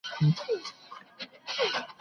دا لار غلطه ده او خطرناکه.